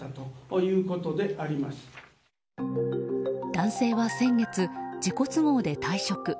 男性は先月、自己都合で退職。